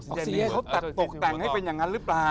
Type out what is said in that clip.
สิภาพที่เขาตัดตกต่างให้เป็นอย่างงั้นรึเปล่า